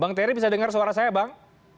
bang terry bisa dengar suara saya bang